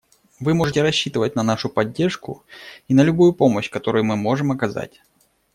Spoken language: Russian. Вы можете рассчитывать на нашу поддержку и на любую помощь, которую мы можем оказать.